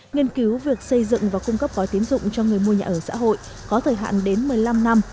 nghiên cứu việc xây dựng và cung cấp gói tiến dụng cho người mua nhà ở xã hội có thời hạn đến một mươi năm năm